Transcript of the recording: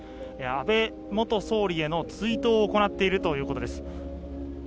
安倍元総理への追悼を行っているということです。